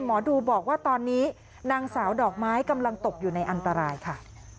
หมอดูบอกว่าตอนนี้นางสาวดอกไม้กำลังตกอยู่ในอันตรายค่ะ